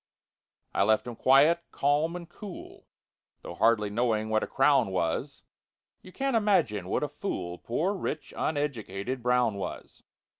It left him quiet, calm, and cool, Though hardly knowing what a crown was— You can't imagine what a fool Poor rich uneducated BROWN was!